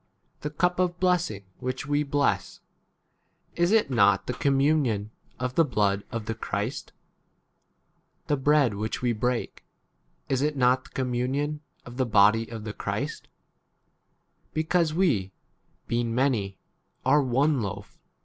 16 The cup of blessing which we bless, is it not [the] communion of the blood of the Christ ? The bread which we break, is it not [the] communion of the body of 17 the Christ ? Because we, [being] many, are one loaf